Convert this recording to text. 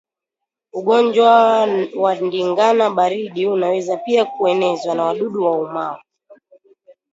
Ugonjwa wa ndigana baridi unaweza pia kuenezwa na wadudu waumao